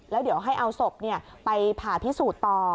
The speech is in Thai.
แล้วเดี๋ยวให้เอาศพไปผ่าพิสูจน์ต่อ